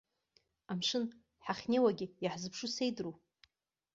Амшын, ҳахьнеиуагьы иаҳзыԥшу сеидру.